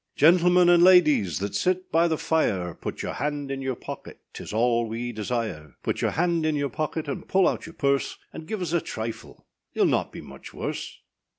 Gentlemen and ladies, that sit by the fire, Put your hand in your pocket, âtis all we desire; Put your hand in your pocket, and pull out your purse, And give us a trifle, âyouâll not be much worse.